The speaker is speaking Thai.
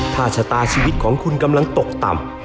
ถ้าชะตาชีวิตของคุณกำลังตกต่ำ